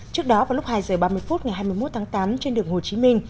trước đó vào lúc hai h ba mươi phút ngày hai mươi một tháng tám trên đường hồ chí minh